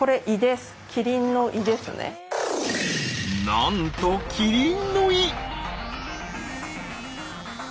なんとキリンの胃！